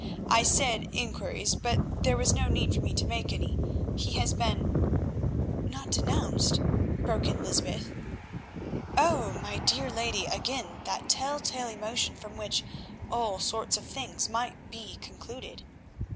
I said inquiries, but there was no need for me to make any. He has been——" "Not denounced," broke in Lysbeth. "Oh! my dear lady, again that tell tale emotion from which all sorts of things might be concluded.